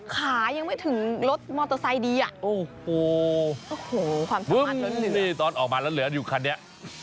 ขายังไม่ถึงรถมอเตอร์ซไซซ์ดีอ่ะโอ้โหนี่ถอดออกมาแล้วเหลืออยู่คันนี้